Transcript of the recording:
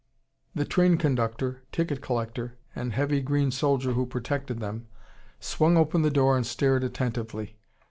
The train conductor, ticket collector, and the heavy green soldier who protected them, swung open the door and stared attentively.